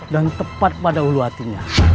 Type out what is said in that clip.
dan tepat pada ulu hatinya